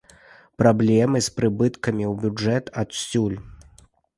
Праблемы з прыбыткамі ў бюджэт адсюль.